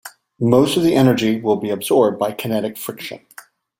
Most of the energy will be absorbed by kinetic friction.